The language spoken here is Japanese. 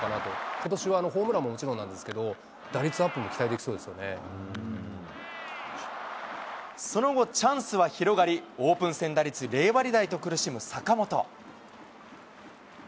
ことしはホームランももちろんなんですけど、打率アップも期待でその後、チャンスは広がり、オープン戦打率０割台と苦しむ坂本。